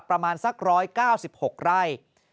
ประมาณสัก๑๙๖ไร่